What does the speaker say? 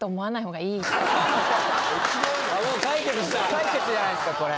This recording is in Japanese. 解決じゃないですかこれ。